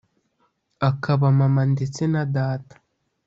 akaba mama ndetse na data,